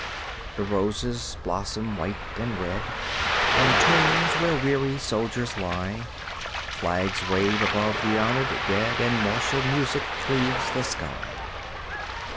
The roses blossom white and red On tombs where weary soldiers lie; Flags wave above the honored dead And martial music cleaves the sky.